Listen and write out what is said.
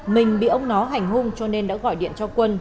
mình bị ông nó hành hung cho nên đã gọi điện cho quân